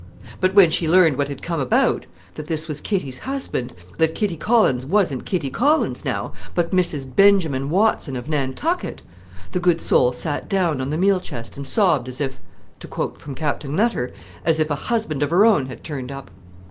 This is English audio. But when she learned what had come about that this was Kitty's husband, that Kitty Collins wasn't Kitty Collins now, but Mrs. Benjamin Watson of Nantucket the good soul sat down on the meal chest and sobbed as if to quote from Captain Nutter as if a husband of her own had turned up!